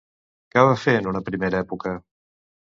Què va fer en una primera època?